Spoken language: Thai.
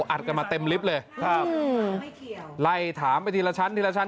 อัดกันมาเต็มลิฟต์เลยครับไล่ถามไปทีละชั้นทีละชั้น